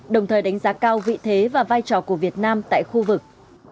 đồng thời đánh giá cao vị thế và vai trò của việt nam tại khu vực